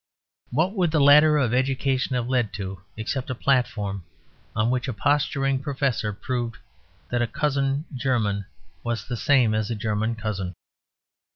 What would the ladder of education have led to, except a platform on which a posturing professor proved that a cousin german was the same as a German cousin?